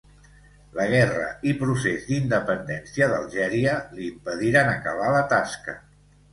La guerra i procés d'independència d'Algèria li impediren acabar la tasca.